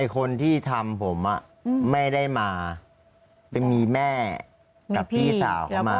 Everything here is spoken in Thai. คนที่ทำผมไม่ได้มาไปมีแม่กับพี่สาวเขามา